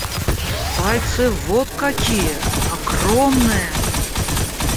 Пальцы вот какие — огромные!